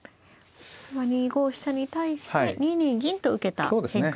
２五飛車に対して２二銀と受けた変化ですね。